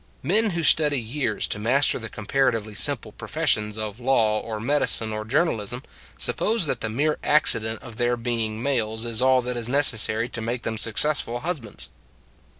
Men who study years to master the com paratively simple professions of law or medicine or journalism suppose that the mere accident of their being males is all that is necessary to make them successful husbands.